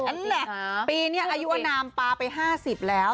นั่นแหละปีนี้อายุอนามปลาไป๕๐แล้ว